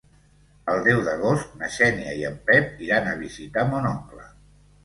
El deu d'agost na Xènia i en Pep iran a visitar mon oncle.